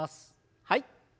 はい。